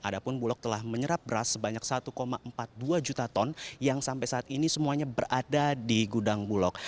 adapun bulog telah menyerap beras sebanyak satu empat puluh dua juta ton yang sampai saat ini semuanya berada di gudang bulog